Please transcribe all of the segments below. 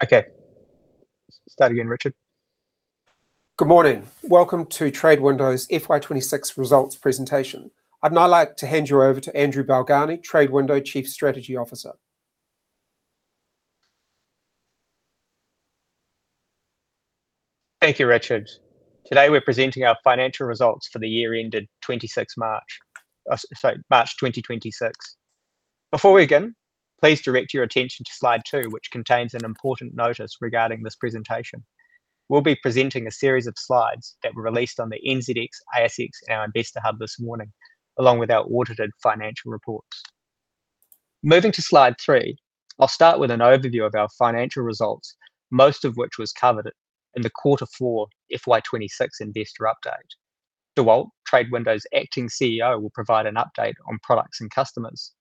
Before we begin, please direct your attention to slide two, which contains an important notice regarding this presentation. We'll be presenting a series of slides that were released on the NZX, ASX, and our investor hub this morning, along with our audited financial reports. Moving to slide three, I'll start with an overview of our financial results, most of which was covered in the quarter four investor update. Dewald, TradeWindow's acting CEO, will provide an update on products and customers.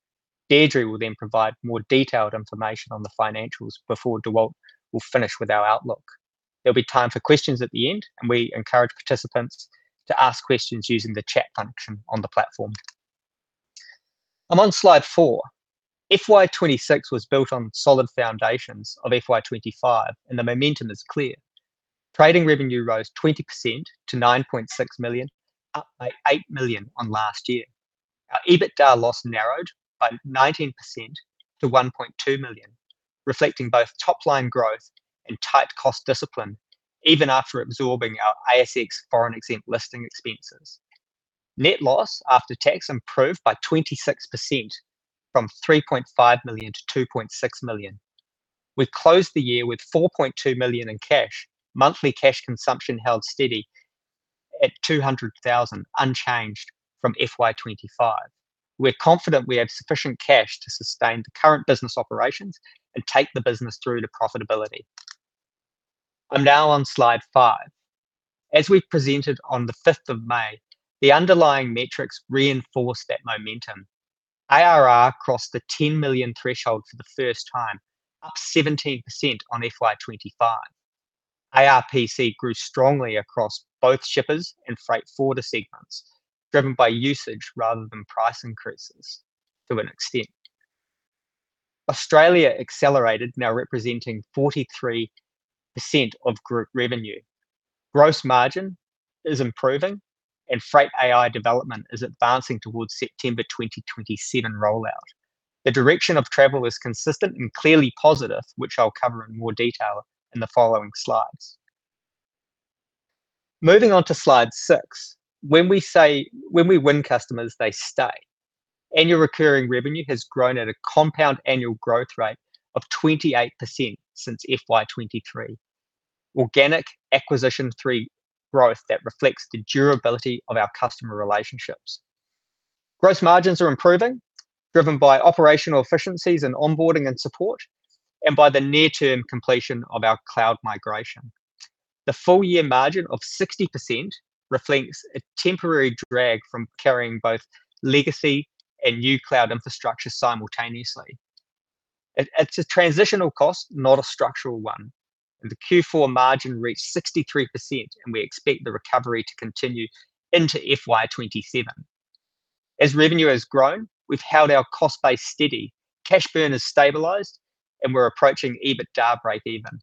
platform. I'm on slide four. FY 2026 was built on solid foundations of FY 2025. The momentum is clear. Trading revenue rose 20% to NZD 9.6 million, up by NZD 8 million on last year. Our EBITDA loss narrowed by 19% to NZD 1.2 million, reflecting both top-line growth and tight cost discipline, even after absorbing our ASX Foreign Exempt Listing expenses. Net loss after tax improved by 26%, from 3.5 million to 2.6 million. We've closed the year with 4.2 million in cash. Monthly cash consumption held steady at 200,000, unchanged from FY 2025. We're confident we have sufficient cash to sustain the current business operations and take the business through to profitability. I'm now on slide five. As we presented on the 5th of May, the underlying metrics reinforced that momentum. ARR crossed the 10 million threshold for the first time, up 17% on FY 2025. ARPC grew strongly across both shippers and freight forwarder segments, driven by usage rather than price increases to an extent. Australia accelerated, now representing 43% of group revenue. Gross margin is improving and Freight AI development is advancing towards September 2027 rollout. The direction of travel is consistent and clearly positive, which I'll cover in more detail in the following slides. Moving on to slide six. When we win customers, they stay. Annual recurring revenue has grown at a compound annual growth rate of 28% since FY 2023. Organic acquisition three growth that reflects the durability of our customer relationships. Gross margins are improving, driven by operational efficiencies in onboarding and support, and by the near-term completion of our cloud migration. The full year margin of 60% reflects a temporary drag from carrying both legacy and new cloud infrastructure simultaneously. It's a transitional cost, not a structural one, and the Q4 margin reached 63%, and we expect the recovery to continue into FY 2027. As revenue has grown, we've held our cost base steady. Cash burn has stabilized, and we're approaching EBITDA breakeven.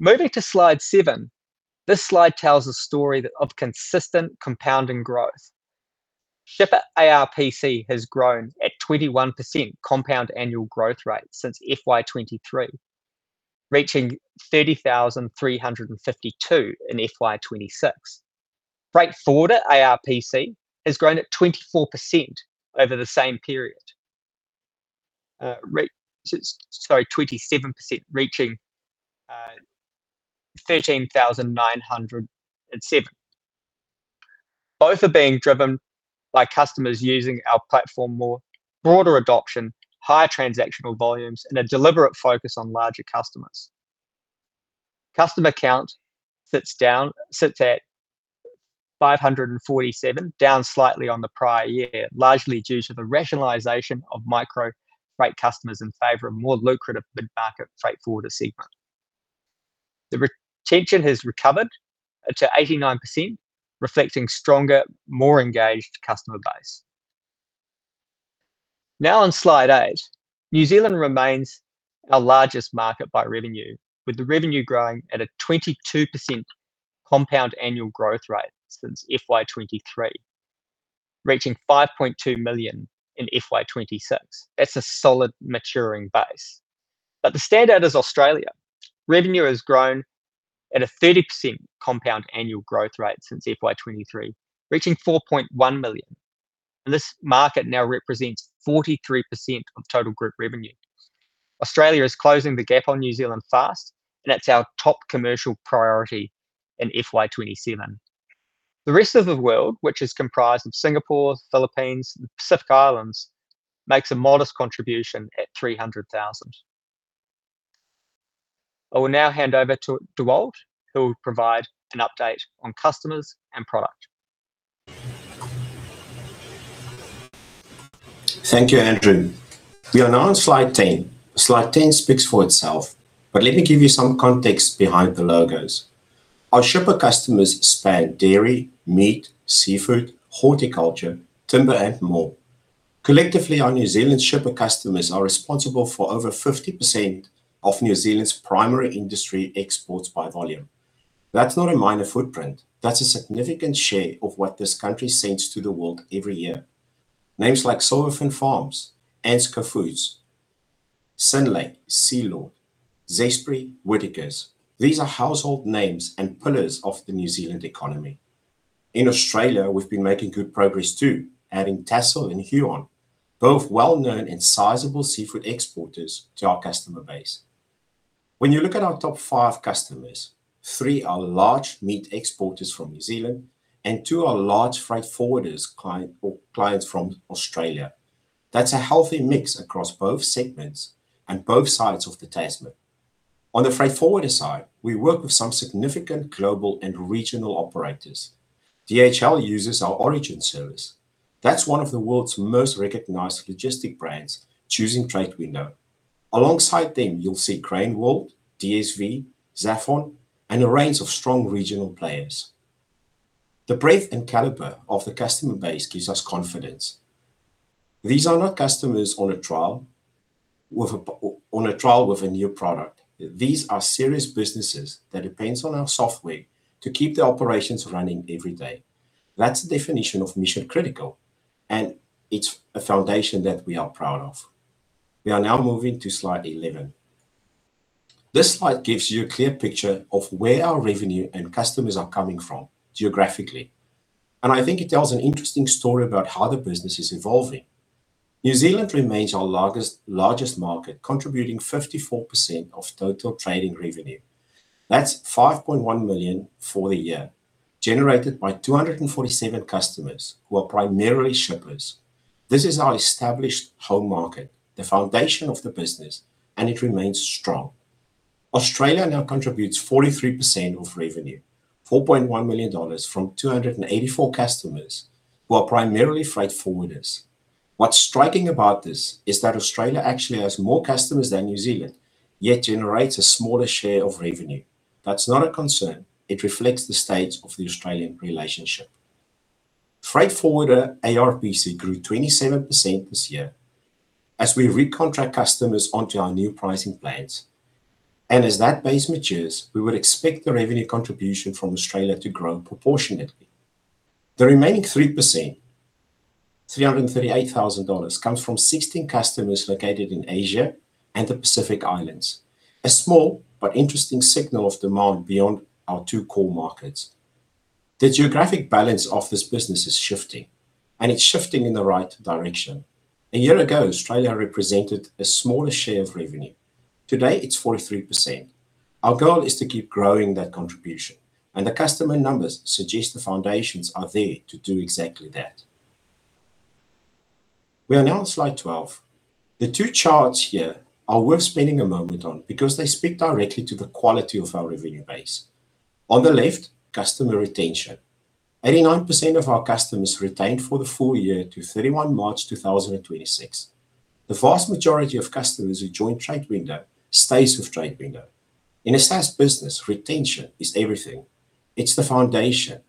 Moving to slide seven. This slide tells a story of consistent compounding growth. Shipper ARPC has grown at 21% compound annual growth rate since FY 2023, reaching 30,352 in FY 2026. Freight forwarder ARPC has grown at 24% over the same period. Sorry, 27%, reaching 13,907. Both are being driven by customers using our platform more, broader adoption, higher transactional volumes, and a deliberate focus on larger customers. Customer count sits at 547, down slightly on the prior year, largely due to the rationalization of micro freight customers in favor of more lucrative mid-market freight forwarder segment. The retention has recovered to 89%, reflecting stronger, more engaged customer base. Now on slide eight, New Zealand remains our largest market by revenue, with the revenue growing at a 22% compound annual growth rate since FY 2023, reaching 5.2 million in FY26. That's a solid maturing base. The standout is Australia. Revenue has grown at a 30% compound annual growth rate since FY 2023, reaching 4.1 million, and this market now represents 43% of total group revenue. Australia is closing the gap on New Zealand fast, and it's our top commercial priority in FY 2027. The rest of the world, which is comprised of Singapore, Philippines, and the Pacific Islands, makes a modest contribution at 300,000. I will now hand over to Dewald, who will provide an update on customers and product. Thank you, Andrew. We are now on slide 10. Slide 10 speaks for itself. Let me give you some context behind the logos. Our shipper customers span dairy, meat, seafood, horticulture, timber, and more. Collectively, our New Zealand shipper customers are responsible for over 50% of New Zealand's primary industry exports by volume. That's not a minor footprint. That's a significant share of what this country sends to the world every year. Names like Silver Fern Farms, ANZCO Foods, Synlait, Sealord, Zespri, Whittaker's. These are household names and pillars of the New Zealand economy. In Australia, we've been making good progress too, adding Tassal and Huon, both well-known and sizable seafood exporters to our customer base. When you look at our top five customers, three are large meat exporters from New Zealand, and two are large freight forwarders clients from Australia. That's a healthy mix across both segments and both sides of the Tasman. On the freight forwarder side, we work with some significant global and regional operators. DHL uses our origin service. That's one of the world's most recognized logistic brands choosing TradeWindow. Alongside them you'll see Crane Worldwide, DSV, Zaphon, and a range of strong regional players. The breadth and caliber of the customer base gives us confidence. These are not customers on a trial with a new product. These are serious businesses that depends on our software to keep the operations running every day. That's the definition of mission-critical, and it's a foundation that we are proud of. We are now moving to slide 11. This slide gives you a clear picture of where our revenue and customers are coming from geographically, and I think it tells an interesting story about how the business is evolving. New Zealand remains our largest market, contributing 54% of total trading revenue. That's 5.1 million for the year, generated by 247 customers who are primarily shippers. This is our established home market, the foundation of the business, and it remains strong. Australia now contributes 43% of revenue, 4.1 million dollars from 284 customers who are primarily freight forwarders. What's striking about this is that Australia actually has more customers than New Zealand, yet generates a smaller share of revenue. That's not a concern, it reflects the state of the Australian relationship. Freight forwarder ARPC grew 27% this year as we recontract customers onto our new pricing plans. As that base matures, we would expect the revenue contribution from Australia to grow proportionately. The remaining 3%, 338,000 dollars, comes from 16 customers located in Asia and the Pacific Islands. A small but interesting signal of demand beyond our two core markets. The geographic balance of this business is shifting, and it's shifting in the right direction. A year ago, Australia represented a smaller share of revenue. Today, it's 43%. Our goal is to keep growing that contribution, and the customer numbers suggest the foundations are there to do exactly that. We are now on slide 12. The two charts here are worth spending a moment on because they speak directly to the quality of our revenue base. On the left, customer retention. 89% of our customers retained for the full year to 31 March 2026. The vast majority of customers who join TradeWindow stays with TradeWindow. In a SaaS business, retention is everything. It's the foundation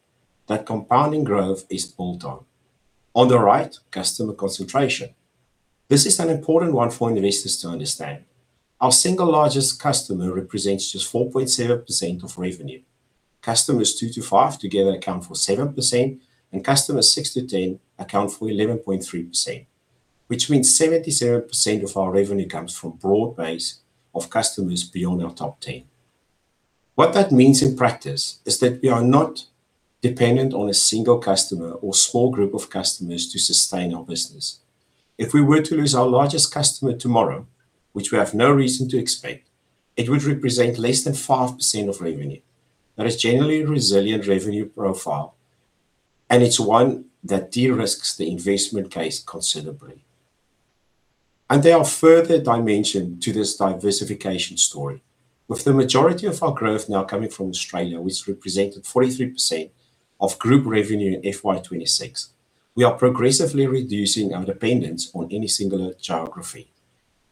that compounding growth is built on. On the right, customer concentration. This is an important one for investors to understand. Our single largest customer represents just 4.7% of revenue. Customers two to five together account for 7%, and customers six to 10 account for 11.3%, which means 77% of our revenue comes from broad base of customers beyond our top 10. What that means in practice is that we are not dependent on a single customer or small group of customers to sustain our business. If we were to lose our largest customer tomorrow, which we have no reason to expect, it would represent less than 5% of revenue. That is generally a resilient revenue profile, and it's one that de-risks the investment case considerably. There are further dimension to this diversification story. With the majority of our growth now coming from Australia, which represented 43% of group revenue in FY 2026, we are progressively reducing our dependence on any singular geography.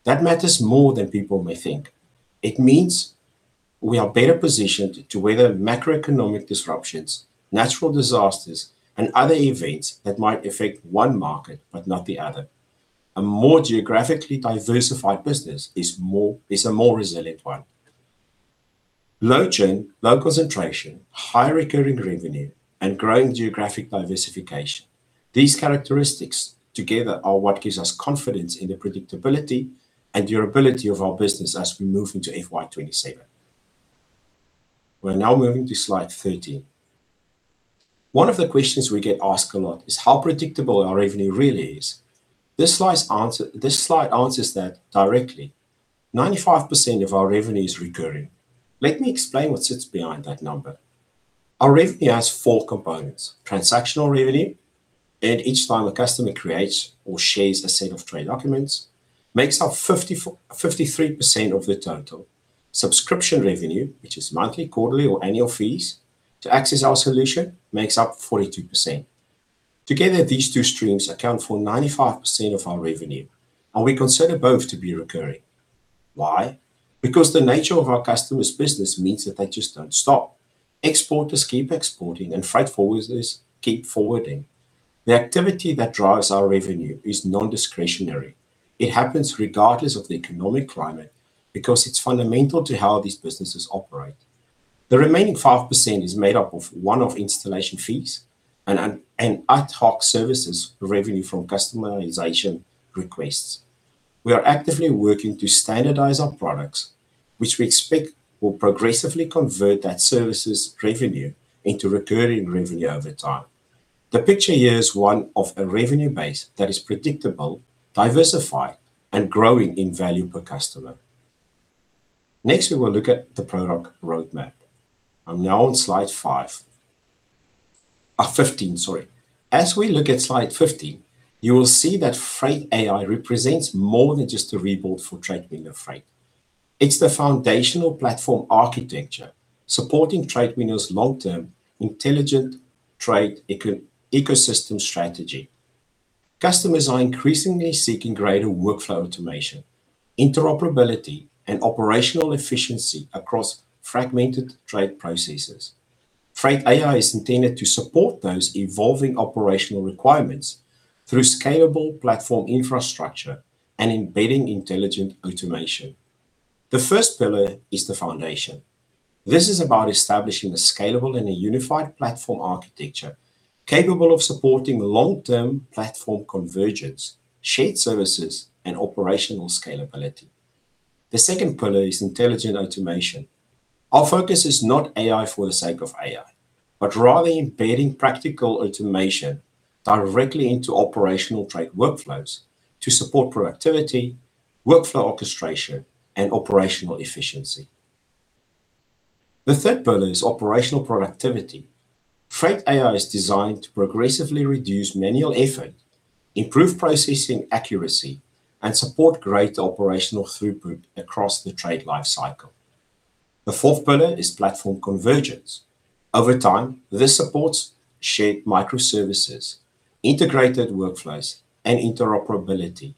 That matters more than people may think. It means we are better positioned to weather macroeconomic disruptions, natural disasters, and other events that might affect one market but not the other. A more geographically diversified business is a more resilient one. Low churn, low concentration, high recurring revenue, and growing geographic diversification. These characteristics together are what gives us confidence in the predictability and durability of our business as we move into FY 2027. We're now moving to slide 13. One of the questions we get asked a lot is how predictable our revenue really is. This slide answers that directly. 95% of our revenue is recurring. Let me explain what sits behind that number. Our revenue has four components. Transactional revenue, earned each time a customer creates or shares a set of trade documents, makes up 53% of the total. Subscription revenue, which is monthly, quarterly, or annual fees to access our solution, makes up 42%. Together, these two streams account for 95% of our revenue. We consider both to be recurring. Why? Because the nature of our customers' business means that they just don't stop. Exporters keep exporting and freight forwarders keep forwarding. The activity that drives our revenue is non-discretionary. It happens regardless of the economic climate because it's fundamental to how these businesses operate. The remaining 5% is made up of one-off installation fees and ad hoc services revenue from customization requests. We are actively working to standardize our products, which we expect will progressively convert that services revenue into recurring revenue over time. The picture here is one of a revenue base that is predictable, diversified, and growing in value per customer. Next, we will look at the product roadmap. I'm now on slide five. 15, sorry. As we look at slide 15, you will see that Freight AI represents more than just a rebuild for TradeWindow Freight. It's the foundational platform architecture supporting TradeWindow's long-term intelligent trade ecosystem strategy. Customers are increasingly seeking greater workflow automation, interoperability, and operational efficiency across fragmented trade processes. Freight AI is intended to support those evolving operational requirements through scalable platform infrastructure and embedding intelligent automation. The first pillar is the foundation. This is about establishing a scalable and a unified platform architecture capable of supporting long-term platform convergence, shared services, and operational scalability. The second pillar is intelligent automation. Our focus is not AI for the sake of AI, but rather embedding practical automation directly into operational trade workflows to support productivity, workflow orchestration, and operational efficiency. The third pillar is operational productivity. Freight AI is designed to progressively reduce manual effort, improve processing accuracy, and support greater operational throughput across the trade life cycle. The fourth pillar is platform convergence. Over time, this supports shared microservices, integrated workflows and interoperability,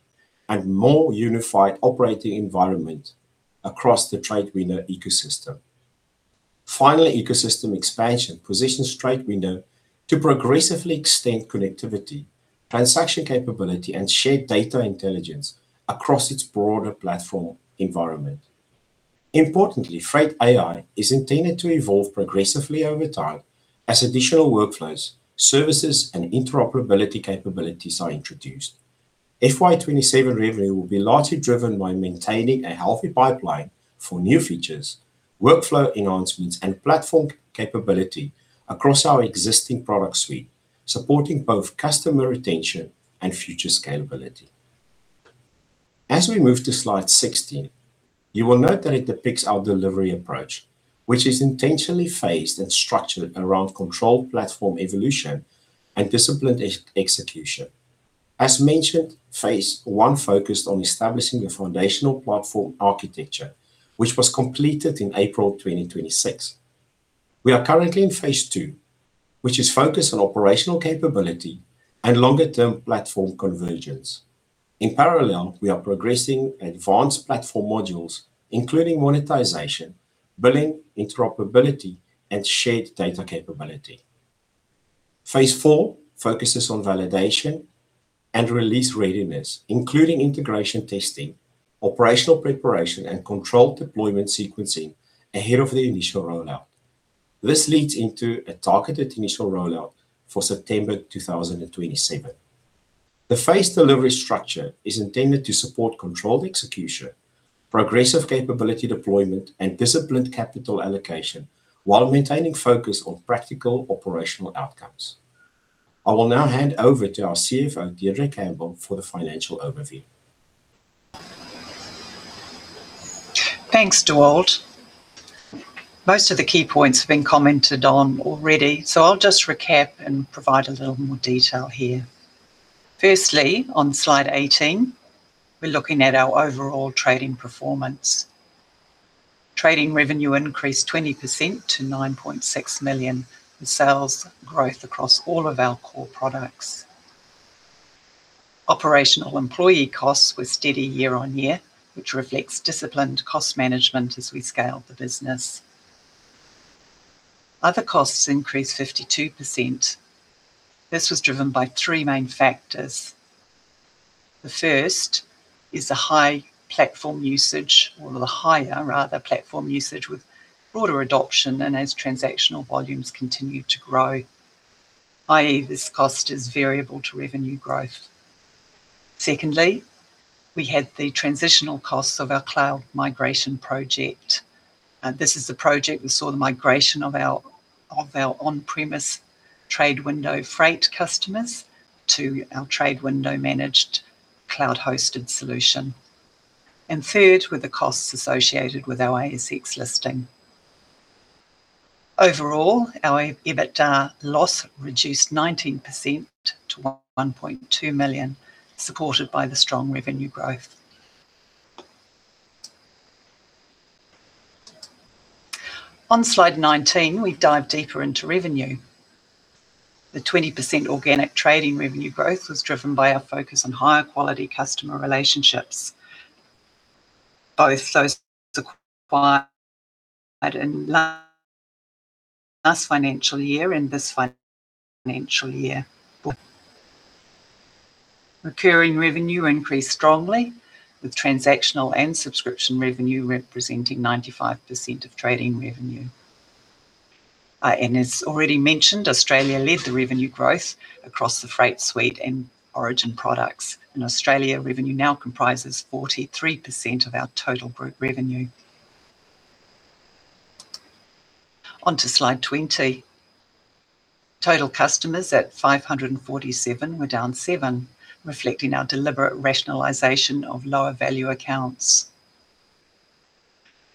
and more unified operating environment across the TradeWindow ecosystem. Finally, ecosystem expansion positions TradeWindow to progressively extend connectivity, transaction capability, and shared data intelligence across its broader platform environment. Importantly, Freight AI is intended to evolve progressively over time as additional workflows, services, and interoperability capabilities are introduced. FY 2027 revenue will be largely driven by maintaining a healthy pipeline for new features, workflow enhancements, and platform capability across our existing product suite, supporting both customer retention and future scalability. As we move to slide 16, you will note that it depicts our delivery approach, which is intentionally phased and structured around controlled platform evolution and disciplined execution. As mentioned, phase 1 focused on establishing the foundational platform architecture, which was completed in April 2026. We are currently in phase 2, which is focused on operational capability and longer-term platform convergence. In parallel, we are progressing advanced platform modules including monetization, billing, interoperability, and shared data capability. Phase 4 focuses on validation and release readiness, including integration testing, operational preparation, and controlled deployment sequencing ahead of the initial rollout. This leads into a targeted initial rollout for September 2027. The phased delivery structure is intended to support controlled execution, progressive capability deployment, and disciplined capital allocation while maintaining focus on practical operational outcomes. I will now hand over to our CFO, Deidre Campbell, for the financial overview. Thanks, Dewald. Most of the key points have been commented on already. I'll just recap and provide a little more detail here. Firstly, on slide 18, we're looking at our overall trading performance. Trading revenue increased 20% to 9.6 million, with sales growth across all of our core products. Operational employee costs were steady year-on-year, which reflects disciplined cost management as we scale the business. Other costs increased 52%. This was driven by three main factors. The first is the high platform usage or the higher, rather, platform usage with broader adoption and as transactional volumes continue to grow, i.e., this cost is variable to revenue growth. Secondly, we had the transitional costs of our cloud migration project. This is the project that saw the migration of our on-premise TradeWindow Freight customers to our TradeWindow-managed cloud-hosted solution. Third were the costs associated with our ASX listing. Overall, our EBITDA loss reduced 19% to 1.2 million, supported by the strong revenue growth. On slide 19, we dive deeper into revenue. The 20% organic trading revenue growth was driven by our focus on higher-quality customer relationships, both those acquired in last financial year and this financial year. Recurring revenue increased strongly, with transactional and subscription revenue representing 95% of trading revenue. As already mentioned, Australia led the revenue growth across the Freight suite and Origin products. Australia revenue now comprises 43% of our total group revenue. On to slide 20. Total customers at 547 were down seven, reflecting our deliberate rationalization of lower-value accounts.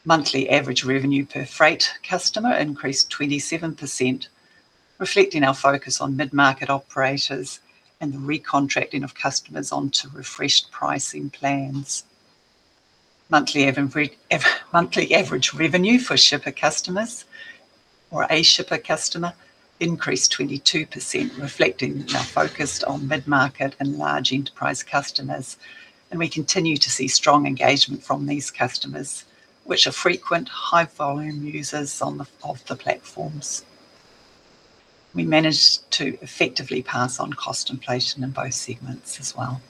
Monthly average revenue per Freight customer increased 27%, reflecting our focus on mid-market operators and the recontracting of customers onto refreshed pricing plans. Monthly average revenue for shipper customers or a shipper customer increased 22%, reflecting our focus on mid-market and large enterprise customers. We continue to see strong engagement from these customers, which are frequent high-volume users of the platforms. We managed to effectively pass on cost inflation in both segments as well.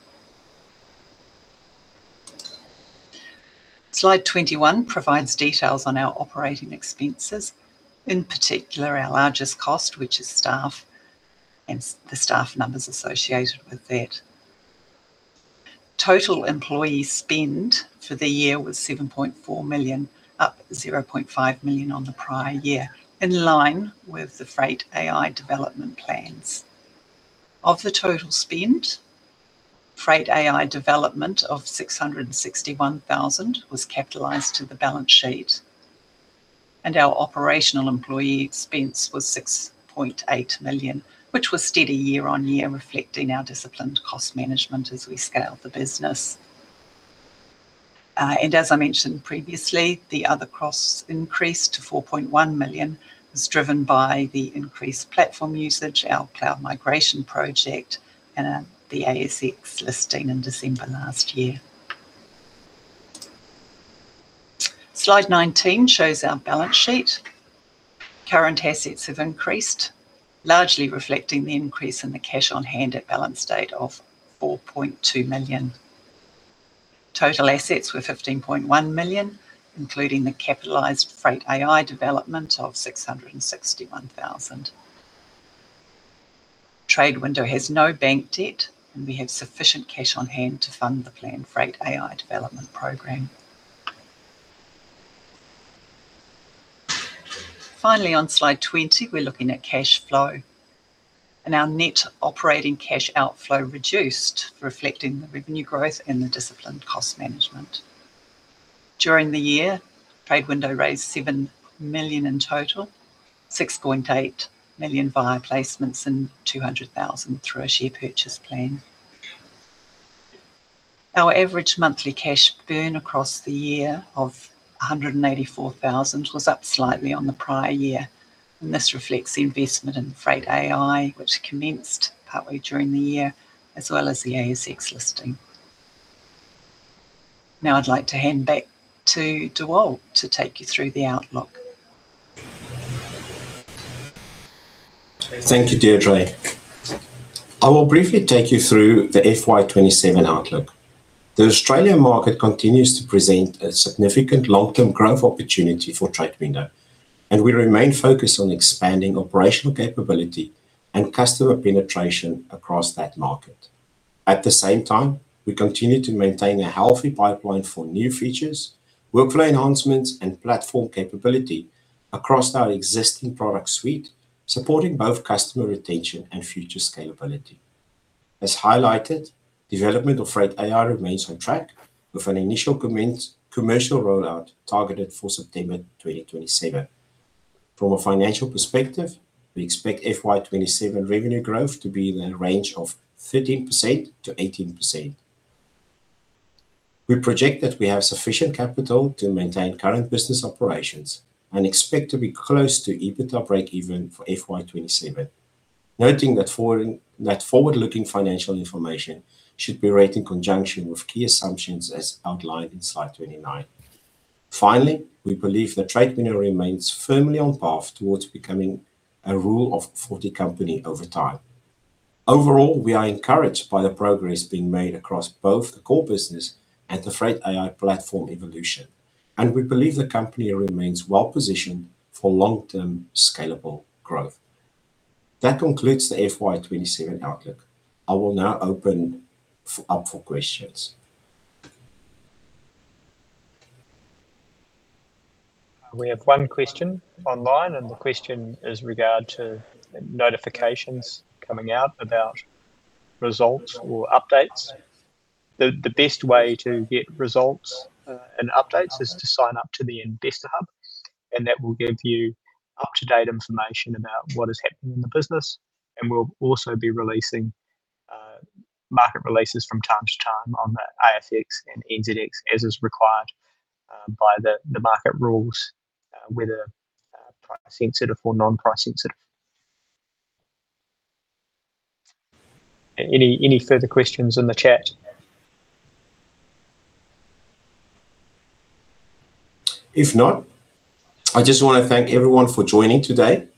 Slide 21 provides details on our operating expenses, in particular, our largest cost, which is staff, and the staff numbers associated with that. Total employee spend for the year was 7.4 million, up 0.5 million on the prior year, in line with the Freight AI development plans. Of the total spend, Freight AI development of 661,000 was capitalized to the balance sheet. Our operational employee expense was 6.8 million, which was steady year-on-year, reflecting our disciplined cost management as we scale the business. As I mentioned previously, the other costs increased to 4.1 million, was driven by the increased platform usage, our cloud migration project, and the ASX listing in December last year. Slide 19 shows our balance sheet. Current assets have increased, largely reflecting the increase in the cash on hand at balance date of 4.2 million. Total assets were 15.1 million, including the capitalized Freight AI development of 661,000. TradeWindow has no bank debt, and we have sufficient cash on hand to fund the planned Freight AI development program. Finally, on slide 20, we're looking at cash flow, and our net operating cash outflow reduced, reflecting the revenue growth and the disciplined cost management. During the year, TradeWindow raised 7 million in total, 6.8 million via placements and 200,000 through a share purchase plan. Our average monthly cash burn across the year of 184,000 was up slightly on the prior year, and this reflects the investment in Freight AI, which commenced partly during the year, as well as the ASX listing. I'd like to hand back to Dewald to take you through the outlook. Thank you, Deidre. I will briefly take you through the FY 2027 outlook. The Australian market continues to present a significant long-term growth opportunity for TradeWindow. We remain focused on expanding operational capability and customer penetration across that market. At the same time, we continue to maintain a healthy pipeline for new features, workflow enhancements, and platform capability across our existing product suite, supporting both customer retention and future scalability. As highlighted, development of Freight AI remains on track with an initial commercial rollout targeted for September 2027. From a financial perspective, we expect FY 2027 revenue growth to be in a range of 13%-18%. We project that we have sufficient capital to maintain current business operations and expect to be close to EBITDA breakeven for FY 2027. Noting that forward-looking financial information should be read in conjunction with key assumptions as outlined in slide 29. Finally, we believe that TradeWindow remains firmly on path towards becoming a Rule of 40 company over time. Overall, we are encouraged by the progress being made across both the core business and the Freight AI platform evolution, and we believe the company remains well-positioned for long-term scalable growth. That concludes the FY 2027 outlook. I will now open up for questions. We have one question online, and the question is regard to notifications coming out about results or updates. The best way to get results and updates is to sign up to the investor hub, that will give you up-to-date information about what is happening in the business. We'll also be releasing market releases from time to time on the ASX and NZX as is required by the market rules, whether price sensitive or non-price sensitive. Any further questions in the chat? If not, I just want to thank everyone for joining today.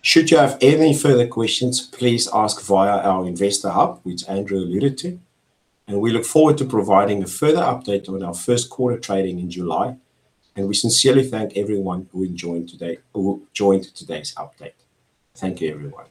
Should you have any further questions, please ask via our investor hub, which Andrew alluded to. We look forward to providing a further update on our first quarter trading in July, and we sincerely thank everyone who joined today's update. Thank you, everyone.